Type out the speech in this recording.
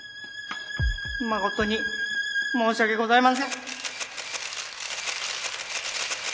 誠に申し訳ございません！